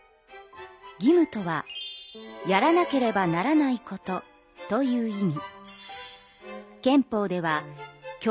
義務とは「やらなければならないこと」という意味。